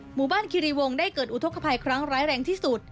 หมู่บ้านคิริวงได้เกิดอุทกภัยครั้งร้ายแรงที่สุด